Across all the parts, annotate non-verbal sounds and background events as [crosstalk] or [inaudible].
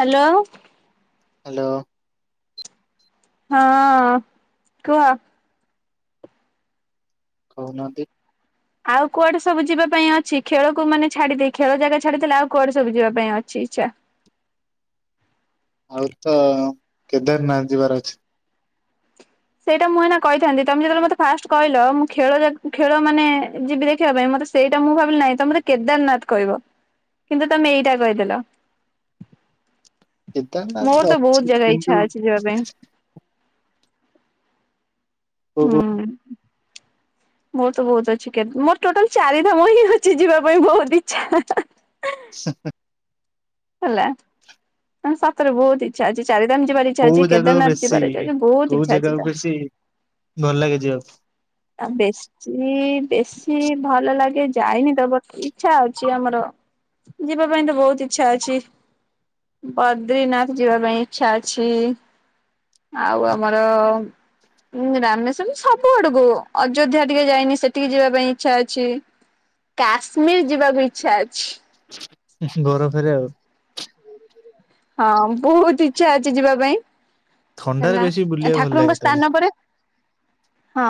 Hello. Hello. ହଁଅ-ଅ-ଅ କୁହ। କହୁନାହାନ୍ତି। ଆଉ କୁଆଡେ ସବୁ ଯିବା ପାଇଁ ଅଛି ଖେଳକୁ ମାନେ ଛାଡିଦେଇ ଖେଳ ଜାଗା ଛାଡିଦେଲେ ଆଉ କୁଆଡେ ସବୁ ଯିବା ପାଇଁ ଅଛି ଇଚ୍ଛା? ଆଉ ତ କେଦାରନାଥ ଯିବାର ଅଛି। ସେଇଟା ମୁଁ ଏଇନା କହିଥାନ୍ତି ତମେ ଯେତେବେଳେ ମତେ ଫାଷ୍ଟ୍ କହିଲ ମୁଁ ଖେଳ ଦେ ଖେଳ ମାନେ ଯିବି ଦେଖିବା ପାଇଁ ସେଇଟା ମୁଁ ଭାବିଲି ନାଇଁ ତମେ ବୋଧେ କେଦାରନାଥ କହିବ କିନ୍ତୁ ତମେ ଏଇଟା କହିଦେଲ। କେଦାରନାଥ ମୋର ତ ବହୁତ ଅଛି ଜାଗା କିନ୍ତୁ ଇଚ୍ଛା ଅଛି ଯିବା ପାଇଁ। କୋଉ ହୁଁ। ମୋର ତ ବହୁତ ଅଛି କେ‌ ମୋର ଟୋଟାଲ ଚାରିଧାମ ହିଁ ଅଛି ଯିବା ପାଇଁ ବହୁତ ଇଚ୍ଛା ହାଁହାଁ। ହ ହେଲା [inaudible] ସତରେ ବହୁତ ଇଚ୍ଛା ଅଛି ଚାରି [inaudible] ଯିବାର ଇଚ୍ଛା ଅଛି କୋଉ ଜାଗାକୁ କେଦାରନାଥ ବେଶୀ ଯିବାର ଇଛା ଅଛି ବହୁତ କୋଉ ଇଛା ଅଛି ଜାଗାକୁ ତ। ବେଶୀ ଭଲ ଲାଗେ ଯିବାକୁ ଆ ବେଶୀ ବେଶୀ ଭଲ ଲାଗେ ଯାଇନି ତ ବଟ୍ ଇଛା ଅଛି ଆମର ଯିବା ପାଇଁ ତ ବହୁତ ଇଛା ଅଛି। ବଦ୍ରିନାଥ ଯିବା ପାଇଁ ଇଚ୍ଛା ଅଛି। ଆଉ ଆମର ଉଁ ରାମେଶ୍ଵର ସବୁ ଆଡକୁ ଅଯୋଧ୍ୟା ଟିକେ ଯାଇନି ସେଠିକି ଯିବା ପାଇଁ ଇଚ୍ଛା ଅଛି। କାଶ୍ମୀର ଯିବାକୁ ଇଚ୍ଛା ଅଛି। ହୁଁ ଘର ଫେରେ ଆଉ ହଁ ବହୁତ ଇଚ୍ଛା ଅଛି ଯିବା ପାଇଁ। ଥଣ୍ଡାରେ ହେଲା ବେଶୀ ବୁଲିବାକୁ ଭଲ ଲାଗେ ଠାକୁରଙ୍କ ତାହେଲେ ସ୍ଥାନ ପରେ ହଁ,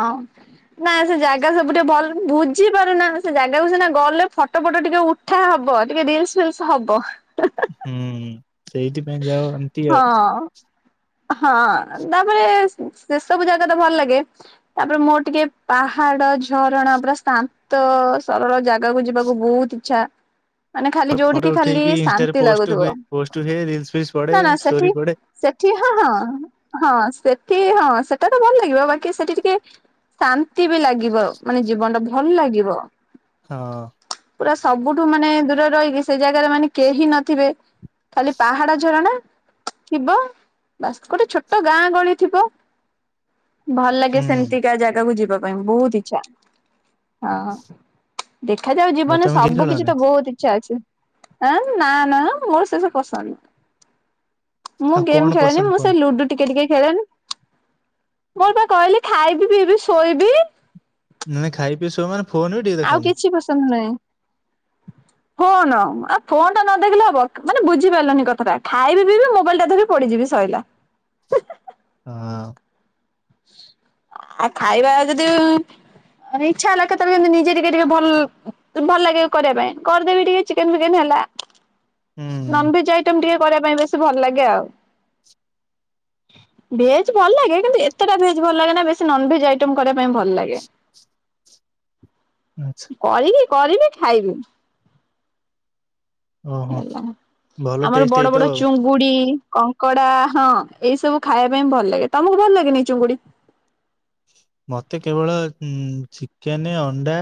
ନାଁ ସେ ଜାଗା ସବୁ ଟିକେ ଭଲ ବୁଝି ପାରୁନା ସେ ଜାଗାକୁ ସିନା ଗଲେ ଫଟୋ ଫ [inaudible] ଫଟ ଟିକେ ଉଠା ହବ ଟିକେ ରିଲସ୍ ଫିଲସ୍ ହବ। ହୁଁ ସେଇଥିପାଇଁ ଯାଅ ଏମିତି ଆଉ ହଁ ହଁ ତାପରେ ସେ ସବୁ ଜାଗା ତ ଭଲ ଲାଗେ ତାପରେ ମୋର ଟିକେ ପାହା ଡ ଝରଣା ପୁରା ଶାନ୍ତ ସରଳ ଜାଗାକୁ ଯିବାକୁ ବହୁତ ଇଚ୍ଛା। ମାନେ ଖାଲି ଫଟୋ ଯୋଉଠିିକି ଖାଲି ଉଠେଇକି ଇନଷ୍ଟାରେ ଶାନ୍ତି ପୋଷ୍ଟ ଲାଗୁଥିବ, ହୁଏ ପୋଷ୍ଟ ହୁଏ ରିଲସ ଫିଲ୍ସ ପଡେ ନା ନା ଷ୍ଟୋରି ସେଠି ପଡେ ସେ ସେଠି ହଁ-ହଁ-ହଁ ହଁ ସେଠି ହଁ ସେଟା ତ ଭଲ ଲାଗିବ ବାକି ସେଠି ଟିକେ ଶାନ୍ତି ବି ଲାଗିବ ମାନେ ଜୀବନଟା ଭଲ ଲାଗିବ। ହଁ। ପୁରା ସବୁଠୁ ମାନେ ଦୂରରେ ରହିକି ସେ ଜାଗା ରେ ମାନେ କେହି ନଥିବେ। ଖାଲି ପାହାଡ ଝରଣା ଥିବ। ବାସ୍ ଗୋଟେ ଛୋଟ ଗାଁ ଗହଳି ଥିବ ଭଲ ଲାଗେ ହୁଁ ସେମିତି କ ଜାଗା କୁ ଯିବା ପାଇଁ ବୋହୁତ୍ ଇଚ୍ଛା ଆ ହଁ। ଦେଖାଯାଉ ଆଉ ଜୀବନରେ ତମେ ଗେମ୍ ସବୁ କିଛି ଖେଳନି ତ ବହୁତ ଇଚ୍ଛା ଅଛି। ଏ ନା ନା ମୋର ସେ ସବୁ ପସନ୍ଦ ନୁହ ମୁଁ ଆଉ ଗେମ କଣ ଖେଳେନି ପସନ୍ଦ ମୁଁ ଫୋନ ସେ ଲୁଡୁ ଟିକେ ଟିକେ ଖେଳେନି ମୋର ପା କହିଲି ଖାଇବି ପିଇବି ଶୋଇବି। ମାନେ ଖାଇ ପିଇ ସୁଅ ମାନେ ଫୋନ ବି ଟିକେ ଆଉ ଦେଖନି କିଛି ପସନ୍ଦ ନାହିଁ। ଫୋନ ଆ ଫୋନ ଟା ନ ଦେଖିଲେ ହବ କ ମାନେ ବୁଝି ପାରିଲନି କଥାଟା ଖାଇବି ପିଇବି ମୋବାଇଲ ଟା ଧରିକି ପଡି ଯିବି ସଇଲା ହେଁ ହେଁ ହେଁ। ହଁ। ଆ ଖାଇବା ଯଦି। ଆ ଇଚ୍ଛା ହେଲା କେତେବେଳେ କେମିତି ନିଜେ ଟିକେ ଟିକେ ଭଲ ଉଁ ଭଲ ଲାଗେ କରିବା ପାଇଁ କରିଦେବି ଟିକେ ଚିକେନ ଫିକେନ୍ ହେଲା। ନନ୍ ହୁଁ ଭେଜ ଆଇଟମ ଟିକେ କରିବା ପାଇଁ ବେଶୀ ଭଲ ଲାଗେ ଆଉ। ଭେଜ ଭଲ ଲାଗେ କିନ୍ତୁ ଏତେ ଟା ଭେଜ ଭଲ ଲାଗେ ନା ବେଶୀ ନନ୍ ଭେଜ ଆଇଟମ କରିବା ପାଇଁ ଭଲ ଲାଗେ। ଆଚ୍ଛା କରିବି କରିବି ଖାଇବି। ଓ ହୋ। ହେଲା। ଆମର ବଡ ବଡ ଚୁଙ୍ଗୁଡି ଇ କଙ୍କଡା ହଁ ଏଇ ସବୁ ଖାଇବା ପାଇଁ ଭଲ ଲାଗେ। ତମକୁ ଭଲ ଲାଗେନି ଚୁଙ୍ଗୁଡି? ମତେ କେବଳ ଉଁ ଚିକେନେ, ଅଣ୍ଡା,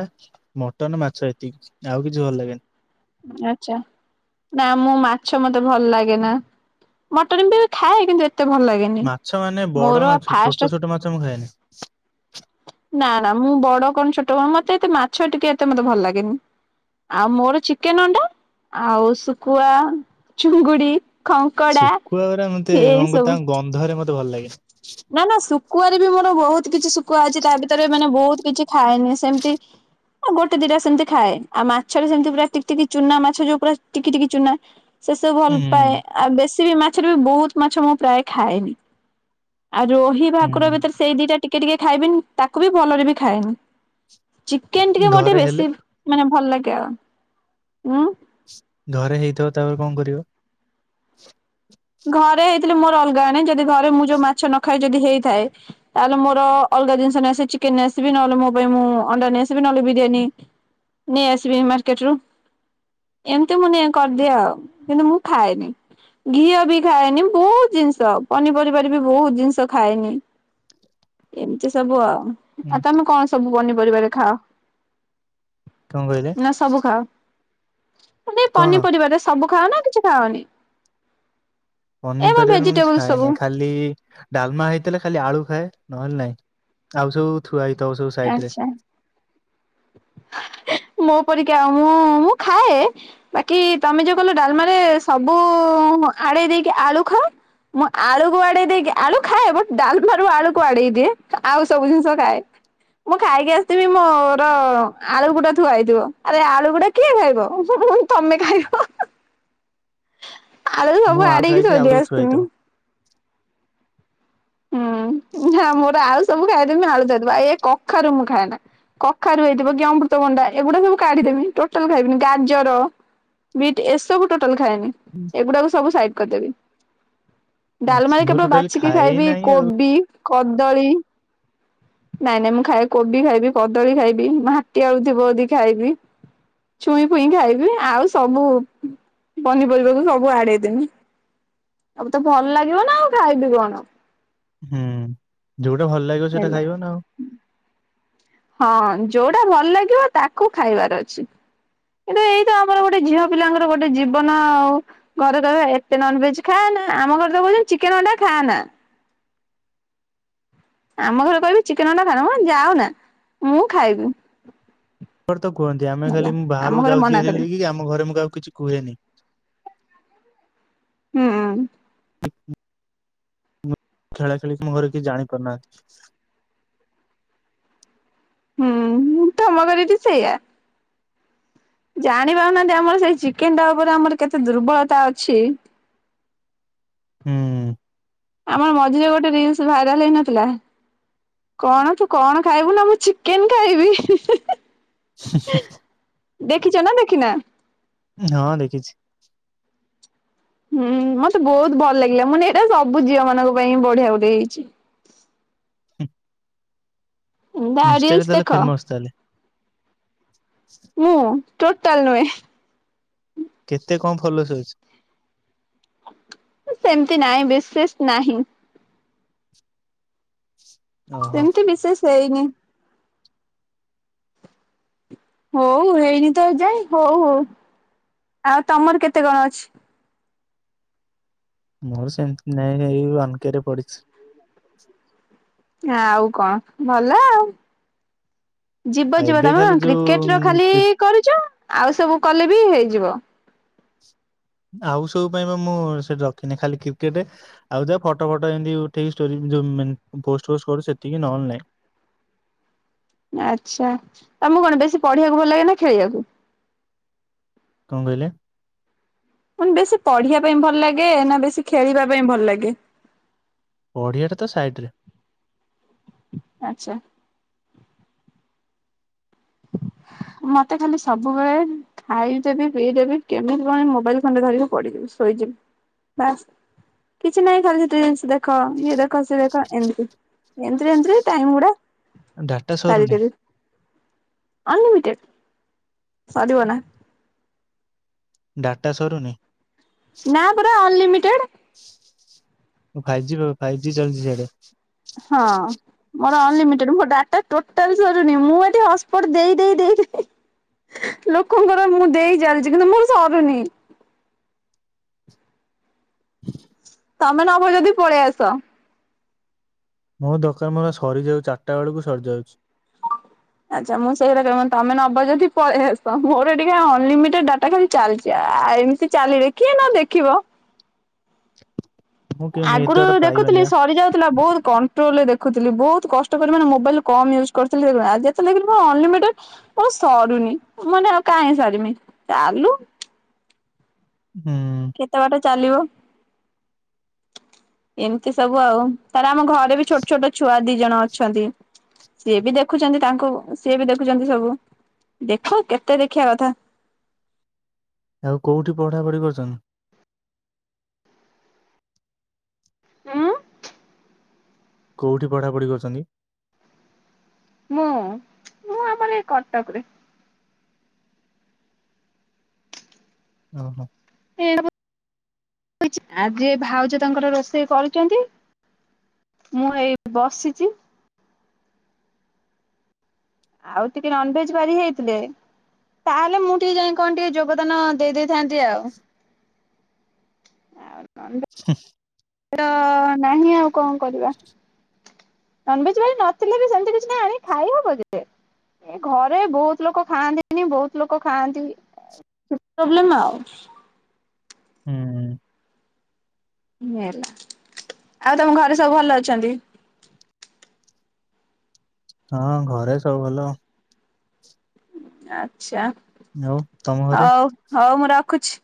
ମଟନ, ମାଛ ଏତିକି ଆଉ କିଛି ଭଲ ଲାଗେନି। ଆଚ୍ଛା। ନା ମୁଁ ମାଛ ମତେ ଭଲ ଲାଗେ ନା ମଟନ ବି ଖାଏ କିନ୍ତୁ ଏ ମାଛ ମାନେ ବଡ ମାଛ ଫାଷ୍ଟ ଛୋଟ ଛୋଟ ମାଛ ମୁଁ ଖାଏନି। ନା ନା ମୁଁ ବଡ କଣ ଛୋଟ ମତେ ଏତେ ମାଛ ଟିକେ ଏତେ ମତେ ଭଲ ଲାଗେନି। ଆଉ ମୋର ଚିକେନ, ଅଣ୍ଡା ଆଉ ଶୁଖୁଆ, ଚୁଙ୍ଗୁଡି। ଖଙ୍କଡା ଶୁଖୁଆ ଗୁରା ମତେ ଏଇ କଣ ସବୁ। ତାଙ୍କ ଗନ୍ଧରେ ମତେ ଭଲ ଲାଗେ ନା ନା ଶୁଖୁଆରେ ବି ମୋର ବହୁତ କିଛି ଶୁଖୁଆ ଅଛି ତା ଭିତରେ ମାନେ ବହୁତ କିଛି ଖାଏନି ସେମିତି। ଅଁ ଗୋଟେ ଦିଟା ସେମିତି ଖାଏ ଆଉ ମାଛରେ ସେମିତି ପୁରା ଟିକି ଟିକି ଚୁନା ମାଛ ଯୋଉ ପୁରା ଟିକି ଟିକି ଚୁନା। ସେ ସବୁ ଭଲ ପାଏ ହୁଁ ଆଉ ବେଶୀ ବି ମାଛରେ ବି ବହୁତ ମାଛ ମୁଁ ପ୍ରାୟେ ଖାଏନି। ଆଉ ରୋହି, ଭାକୁର ହୁଁ ଭିତରେ ସେଇ ଦିଟା ଟିକେ ଟିକେ ଖାଇବିନ ତାକୁ ବି ଭଲରେ ବି ଖାଏନି। ଚିକେନ ଟିକେ ମୋର ଘରେ ଟିକେ ହେଲେ ବେଶୀ ମାନେ ଭଲ ଲାଗେ ଆଉ ଉଁ। ଘରେ ହେଇଥିବ ତାପରେ କଣ କରିବ? ଘରେ ଥିଲେ ମୋର ଅଲଗା ଆଣେ ଯଦି ଘରେ ମୁଁ ଯୋଉ ମାଛ ନ ଖାଏ ଯଦି ହେଇଥାଏ ତାହେଲେ ମୋର ଅଲଗା ଜିନିଷ ନେଇ ଆସେ ଚି କେନ ନେଇଆସିବି ନହେଲେ ମୋ ପାଇଁ ମୁଁ ଅଣ୍ଡା ନେଆଇସିବି ନହେଲେ ବିରିୟାନୀ। ନେଇ ଆସିବି ମାର୍କେଟ ରୁ। ଏମିତି ମୁଁ ନିଏ କରିଦିଏ ଆଉ କିନ୍ତୁ ମୁଁ ଖାଏନି ଘିଅ ବି ଖାଏନି ବହୁତ ଜିନିଷ ପନିପରିବାରେ ବି ବହୁତ ଜିନିଷ ଖାଏନି। ଏମିତି ସବୁ ଆଉ ହୁଁ ଆଉ ତମେ କଣ ସବୁ ପନିପରିବାରେ ଖାଅ? କଣ କହିଲେ? ସେମିତି କଣ ପନିପରିବାରେ ସବୁ ଖାଅନା କିଛି ଖାଅନି? ଏ ମ ପନିପରିବାରେ ମୁଁ କିଛି ଭେଜିଟେବୁଲ ସବୁ? ଖାଏନି ଖାଲି ଡାଲମା ହେଇଥିଲେ ଖାଲି ଆଳୁ ଖାଏ। ନହେଲେ ନାଇ ଆଉ ସବୁ ଥୁଆ ହେଇଥିବ ସବୁ ସାଇଡରେ। ଆଚ୍ଛା। [unintelligible] ମୋ ପରିକା ମୁଁ ମୁଁ ଖାଏ ବାକି ତମେ ଯୋଉ କହିଲ ଡାଲମାରେ ସବୁ। ଓହୋ ଆଡେ ଦେଇକି ଆଳୁ ଖାଅ? ମୁଁ ଆଳୁକୁ ଆଡେଇ ଦେଇକି ଆଳୁ ଖାଏ ବଟ୍ ଡାଲମାରୁ ଆଳୁକୁ ଆଡେଇ ଦିଏ ଆଉ ସବୁ ଜିନିଷ ଖାଏ। ମୁଁ ଖାଇକି ଆସିଥିବି ମୋର ଆଳୁ ଗୁଡ଼ା ଥୁଆହେଇଥିବ ଆରେ ଆଳୁ ଗୁଡା କିଏ ଖାଇବ ମୁଁ ତମେ ଖାଇବ। ଆଳୁ ସବୁ ମୁଁ ଆଳୁ ଆଡେଇକି ଖାଇଦିଏ ଆଉ ଥୋଇଦେଇ ସବୁ ଥୁଆ ହେଇଥିବ ଆସିଥିମି। ହୁଁ ନା ମୋର ଆଉ ସବୁ ଖାଇଦେମି ଆଳୁ ଛାଡିଦେବା ଏ କଖାରୁ ମୁଁ ଖାଏ ନା କଖାରୁ ହେଇଥିବ କି ଅମୃତଭଣ୍ଡା ଏଗୁଡା ସବୁ କାଢ଼ି ଦେବି ଟୋଟାଲ ଖାଇବିନି ଗାଜର। ବିଟ୍ ଏସବୁ ଟୋଟାଲ ଖାଏନି ଏଗୁଡାକୁ ସବୁ ସାଇଟ୍ କରିଦେବି। ଆଛା ଡାଲମାର ମୁଁ କେବଳ ଟୋଟାଲି ବାଛିିକି ଖାଏ ଖାଇବି ନାହିଁ ଆଉ କୋବି କଦଳୀ ନାଇଁ ନାଇଁ ମୁଁ ଖାଇ କୋବି ଖାଇବି କଦଳୀ ଖାଇବି ମାଟି ଆଳୁ ଥିବ ଯଦି ଖାଇବି। ଛୁଇଁ ପୁଇଁ ଖାଇବି ଆଉ ସବୁ ପନିପରିବାକୁ ସବୁ ଆଡ଼େଇଦେମି। ଆଉ ତ ଭଲ ଲାଗିବ ନା ଆଉ ଖାଇବି କଣ। ହୁଁ ଯୋଉଟା ଭଲ ଲାଗିବ ସେଟା ହେଲା। ଖାଇବ ନା ଆଉ। ହଁ ଯୋଉଟା ଭଲ ଲାଗିବ ତାକୁ ଖାଇବାର ଅଛି। ଏବେ ଏଇତ ଆମର ଗୋଟେ ଝିଅ ପିଲାଙ୍କର ଗୋଟେ ଜୀବନ ଆଉ ଘରେ ରହିବା ଏତେ ନନ ଭେଜ ଖା ନା ଆମ ଘରେ ତ କୋହୁଚନ୍ତି ଚିକେନ ଅଣ୍ଡା ଖାଆ ନା। ଆମ ଘରେ କହିବେ ଚିକେନ ଅଣ୍ଡା ଖାଆନା ମୁଁ କହିବି ଯାଅନା ମୁଁ ଖାଇବି। ଘରେ ତ କୁହନ୍ତି ଆମେ ହେଲା ଖାଲି ମୁଁ ଆମ ବାହାରକୁ ଘରେ ଯାଉଚି ମନା ହେରି କରିବେ ବେଲିକି ଆମ ଘରେ ମୁଁ କାହା କିଛି କୁହେନି। ହୁଁ। ଖେଳା ଖେଳି କି ମୋ ଘରେ କେହି ଜାଣିପାରୁନାହାନ୍ତି। ହୁଁଁ ତମ ଘରେ ବି ସେଇଆ? ଜାଣିପାରୁନାହାନ୍ତି ଆମର ସେଇ ଚିକେନ୍ ଟା ଉପରେ ଆମର କେତେ ଦୁର୍ବଳତା ଅଛି। [inaudible] ହୁଁ। ଆମର ମଝିରେ ଗୋଟେ ରିଲ୍ସ ଭାଇରାଲ ହେଇନଥିଲା। କଣ ତୁ କଣ ଖାଇବୁ ନା ମୁଁ ଚିକେନ ଖାଇବି। [unintelligible] ଖିଚ ନା ଦେଖିନା। ଉଁ ହଁ ଦେଖିଛି। ହୁଁ ମତେ ବୋହୁତ ଭଲ ଲାଗିଲା ମୁଁ କହିନି ଏଟା ସବୁ ଝିଅ ମାନଙ୍କ ପାଇଁ ବଢିଆ ଗୋଟେ ହେଇଚି। [inaudible] [unintelligible] ତା ରିଲସ ଇନଷ୍ଟାରେ ତାହେଲେ ଦେଖ ଫେମସ ତାହେଲେ। ମୁଁ ଟୋଟାଲ ନୁହେଁ। କେତେ କଁ ଫଲୋସ୍ ଅଛି। ସେମିତି ନାହିଁ ବିଶେଷ ନାହିଁ। ଓହୋ ସେମିତି ବିଶେଷ ହେଇନି। ହୋଉ ହେଇନି ତ ଏଯାଏଁ ହୋଉ ହୋଉ ଆଉ ତମର କେତେ କଣ ଅଛି? ମୋର ସେମିତି ନାଇଁ ହେଇ ୱାନକେ ରେ ପଡିଛି। ଆଉ କଣ ଭଲ ଆଉ। ଯିବ ଆଉ ଯିବ ଏବେ ତମର ଖାଲି ଯୋଉ କ୍ରିକେଟ ର ଖାଲି କ୍ରି କରୁଚ ଆଉ ସବୁ କଲେ ବି ହେଇଯିବ। ଆଉ ସବୁ ପାଇଁ ପା ମୁଁ ସେଇଠି ରଖିନି ଖାଲି କ୍ରିକେଟେ ଆଉ ଯା ଫଟ ଫଟ ଏନ୍ତୀ ଉଠେଇକି ଷ୍ଟୋରୀ ଯୋଉ ମେନ୍ ପୋଷ୍ଟ ଫୋଷ୍ଟ କରୁ ସେତିକି ନହେଲେ ନାହିଁ। ଆଚ୍ଛା ତମକୁ କଣ ବେଶୀ ପଢ଼ିବାକୁ ଭଲ ଲାଗେ ନା ଖେଳିବାକୁ? କଁ କହିଲେ? ମୁଁ କହିନି ବେଶୀ ପଢ଼ିବା ପାଇଁ ଭଲ ଲାଗେ ନା ବେଶୀ ଖେଳିବା ପାଇଁ ଭଲ ଲାଗେ? ପଢ଼ିବାଟା ତ ସାଇଟ୍ ରେ। ଆଚ୍ଛା। [inaudible] ମତେ ଖାଲି ସବୁବେଳେ ଖାଇଦେବି ପିଇଦେବି କେମିତି କଣ ଏ ମୋବାଇଲ ଖଣ୍ଡେ ଧରିକି ପଡିଯିବୁ ଶୋଇଯି ବି ବାସ୍‌ କିଛି ନାଇଁ ଖାଲି ସେଥିରେ ରିଲସ ଦେଖ ଇଏ ଦେଖ ସିଏ ଦେଖ ଏମିତି। ଏମିତିରେ ଏମିତିରେ ଟାଇମ୍ ଗୁଡା ଡାଟା ସରୁ ନାଇଁ? ସାରିଦେବି ଅନଲିମିଟେଡ ସରିବ ନାହିଁ। ଡାଟା ସରୁ ନାଇଁ? ନା ପୁରା ଅନଲିମିଟେଡ। କଣ ଫାଇଭି ଜି ଫାଇଭି ଜି ଚାଲିଚି ସିଆଡେ? ହଁ ମୋର ଅନଲିମିଟେଡ ମୋର ଡା ହେ ଟୋଟାଲ ସରୁନି ମୁଁ ଏଠି ହଟସ୍ପଟ ଦେଇ ଦେଇ ଦେଇ [unintelligible] ଲୋକଙ୍କର ମୁଁ ଦେଇ ଚାଲିଚି କିନ୍ତୁ ମୋର ସରୁନି। ତମେ ନବ ଯଦି ପଳେଇ ଆସ। ମୋ ଦରକାର ମୋର ପା ସରିଯାଉ ଚାରିଟା ବେଳକୁ ସରିଯାଉଚି। ଆଚ୍ଛା ମୁଁ ସେଇ କଥା କ ତମେ ନବ ଯଦି ପଳେଇ ଆସ ମୋର ଟିକେ ଅନଲିମିଟେଡ ଡାଟା ଖାଲି ଚାଲିଚି ଆଉ। ଆ ଏମିତି ଚାଲିଲେ କିଏ ନ ଦେଖିବ। ମୁଁ କେମିତି ଏତେ ଆଗୁରୁ ବାଟ ପାଇବନି ଦେଖୁଥିଲି ବା। ସରିଯାଉଥିଲା ବୋହୁତ କଣ୍ଟ୍ରୋଲରେ ଦେ ଦେଖୁଥିଲି ବୋହତ୍‌ କଷ୍ଟ କରି ମାନେ ମୋବାଇଲ କମ୍ ୟୁଜ କରୁଥିଲି ଏବେ ଆ ଯେତେବେଳେ ଦେଖିଲି ମୋର ଅନଲିମିଟେଡ ମୋର ସରୁ ଉଁ ମାନେ ଆଉ କାଇଁ ସାରିମି ଚାଲୁ ହୁଁ। କେତେ ବାଟ ଚାଲିବ। ଏମିତି ସବୁ ଆଉ ତାପରେ ଆମ ଘରେ ବି ଛୋଟ ଛୋଟ ଛୁଆ ଦି ଜଣ ଅଛନ୍ତି। ସିଏ ବି ଦେଖୁଚନ୍ତି ତାଙ୍କୁ ସିଏ ବି ଦେଖୁଚନ୍ତି ସବୁ ଦେଖ କେତେ ଦେଖିବା କଥା। ଆଉ କୋଉଠି ପଢାପଢି କରୁଚନ୍? ଉଁ। କୋଉଠି ପଢାପଢି କରୁଚନ୍ତି? ମୁଁ ମୁଁ ଆମର ଏ କଟକରେ। ଓହୋ। [inaudible] ଆଜି ଭାଉଜ ତାଙ୍କର ରୋଷେଇ କରୁଚନ୍ତି। ମୁଁ ଏଇ ବସିଚି। ଆଉ ଟିକେ ନନ୍‌ଭେଜ ବାରି ହେଇଥିଲେ ତାହେଲେ ମୁଁ ଟିକେ ଯାଇ କଣ ଟିକେ ଯୋଗଦାନ ଦେଇ ଦେଇଥାନ୍ତି ଆଉ। ନନ୍‌ଭେଜ [inaudible] ତ ନାହିଁ ଆଉ କଣ କରିବା। ନନ୍‌ଭେଜ ବାରି ନଥିଲେ ବି ସେମତି କିଛି ନାହିଁ ଆଣିକି ଖାଇ ହବ ଯେ ଏ ଘରେ ବୋହୁତ୍‌ ଲୋକ ଖାଆନ୍ତିନି ବୋହୁତ ଲୋକ ଖାଆନ୍ତି। ସେ ପ୍ରୋବ୍ଲେମ ଆଉ। ହୁଁ ଉଁ। ନେଲା, ଆଉ ତମ ଘରେ ସବୁ ଭଲ ଅଛନ୍ତି? ହଁ ଘରେ ସବୁ ଭଲ। ଆଚ୍ଛା। ଆଉ ତମ ଘରେ? ରଖୁଚି।